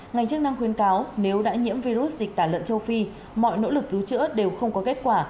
ngành chức năng khuyên cáo nếu đã nhiễm virus dịch tả lợn châu phi mọi nỗ lực cứu chữa đều không có kết quả